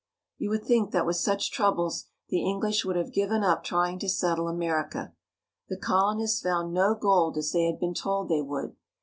You would think that with such troubles the English would have given up trying to settle America. The col onists found no gold as they had been told they would.